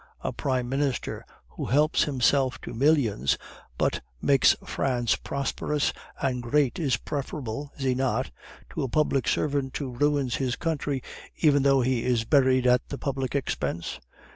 A prime minister who helps himself to millions but makes France prosperous and great is preferable, is he not, to a public servant who ruins his country, even though he is buried at the public expense?